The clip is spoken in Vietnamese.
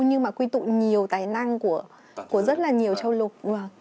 nhưng mà quy tụ nhiều tài năng của rất là nhiều châu lục